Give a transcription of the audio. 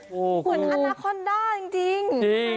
เหมือนอนาคอนด้าจริง